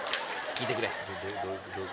聞いてくれ。